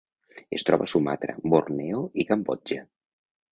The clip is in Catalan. Es troba a Sumatra, Borneo i Cambodja.